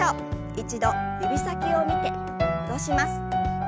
一度指先を見て戻します。